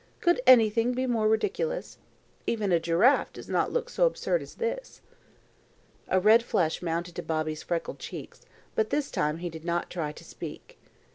Could anything be more ridiculous? Even a giraffe does not look so absurd as this." A red flush mounted to Bobby's freckled cheeks, but this time he did not try to speak.